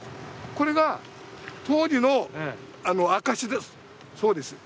これが当時の証しですそうです